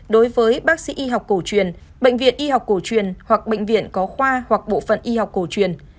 đối với bác sĩ y học cổ truyền bệnh viện y học cổ truyền hoặc bệnh viện có khoa hoặc bộ phận y học cổ truyền